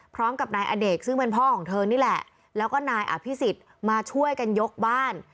พร้อมกับนายอเนกซึ่งเป็นพ่อของเธอนี่แหละแล้วก็นายอภิษฎมาช่วยกันยกบ้าน